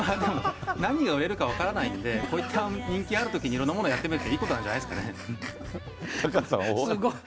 何が売れるか分からないので、こういった人気あるときにいろんなものやってみるのはいいことなタカさん、大笑い。